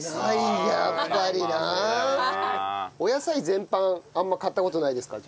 お野菜全般あんま買った事ないですか？